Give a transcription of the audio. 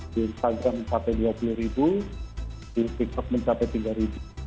di instagram sampai dua puluh ribu di tiktok mencapai tiga ribu